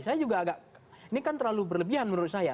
saya juga agak ini kan terlalu berlebihan menurut saya